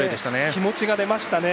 気持ちが出ましたね。